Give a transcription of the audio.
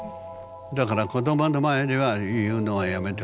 だから子どもの前では言うのはやめてくれと。